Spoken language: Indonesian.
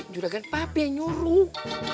juragan papi yang nyuruh